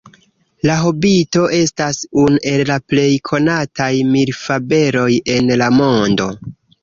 La Hobito estas unu el la plej konataj mirfabeloj en la mondo.